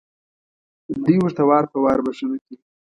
دوی ورته وار په وار بښنه کوي.